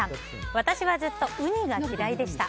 私はずっとウニが嫌いでした。